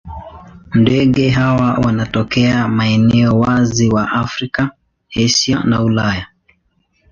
Ndege hawa wanatokea maeneo wazi wa Afrika, Asia na Ulaya.